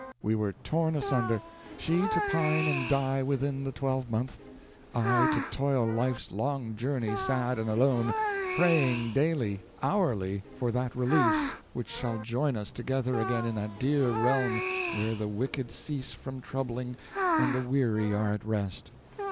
We were torn asunder, she to pine and die within the twelvemonth, I to toil life's long journey sad and alone, praying daily, hourly, for that release which shall join us together again in that dear realm where the wicked cease from troubling and the weary are at rest.